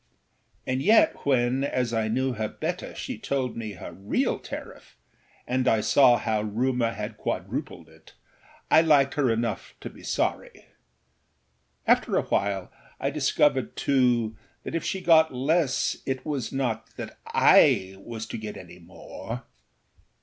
And yet when, as I knew her better she told me her real tariff and I saw how rumour had quadrupled it, I liked her enough to be sorry. After a while I discovered too that if she got less it was not that I was to get any more.